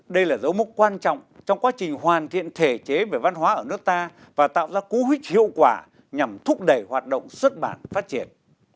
đây là dấu mốc quan trọng trong quá trình hoàn thiện thể chế về văn hóa ở nước ta và tạo ra cú huyết hiệu quả nhằm thúc đẩy hoạt động xuất bản phát triển